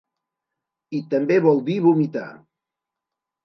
I també vol dir vomitar.